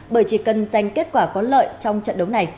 bởi chỉ cần dành kết quả có lợi trong trận đấu này